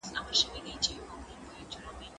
دا پوښتنه له هغه اسانه ده!!